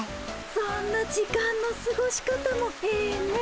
そんな時間のすごし方もええねえ。